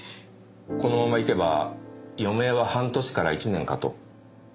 このままいけば余命は半年から１年かと。